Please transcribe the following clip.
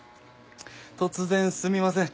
突然すみません。